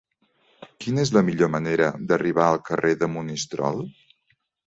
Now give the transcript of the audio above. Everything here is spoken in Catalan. Quina és la millor manera d'arribar al carrer de Monistrol?